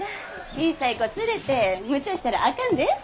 小さい子連れてむちゃしたらあかんで。